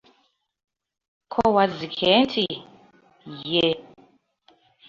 Ko Wazzike nti, ye.